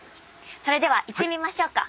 それでは行ってみましょうか。